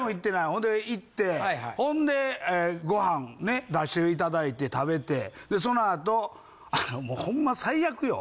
ほんで行ってほんでご飯ね出していただいて食べてでその後もうほんま最悪よ。